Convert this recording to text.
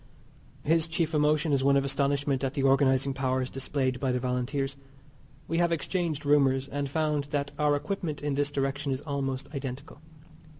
His chief emotion is one of astonishment at the organizing powers displayed by the Volunteers. We have exchanged rumours, and found that our equipment in this direction is almost identical.